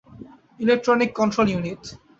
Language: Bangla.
Electronic control unit.